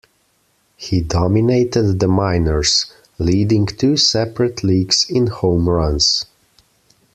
He dominated the minors, leading two separate leagues in home runs.